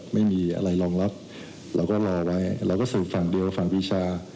ไม่มีอะไรรองรับเราก็รอไว้เราก็ศึกษุนฝั่งเดียวฝั่งวิชา